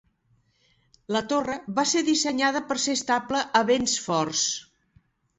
La torre va ser dissenyada per ser estable a vents forts.